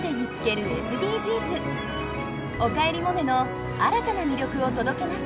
「おかえりモネ」の新たな魅力を届けます。